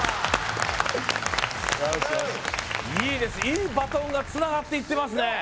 いいですいいバトンがつながっていってますね